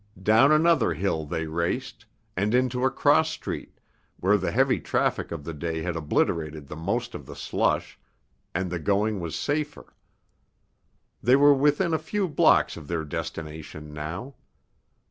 Down another hill they raced, and into a cross street, where the heavy traffic of the day had obliterated the most of the slush, and the going was safer. They were within a few blocks of their destination now.